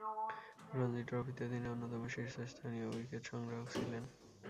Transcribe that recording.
রঞ্জী ট্রফিতে তিনি অন্যতম শীর্ষস্থানীয় উইকেট সংগ্রাহক ছিলেন।